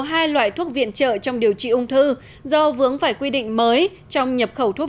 hai loại thuốc viện trợ trong điều trị ung thư do vướng phải quy định mới trong nhập khẩu thuốc